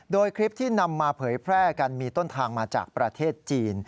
โดยคลิปที่นำมาเผยแพร่กันมีต้นทางมาจากประเทศจีน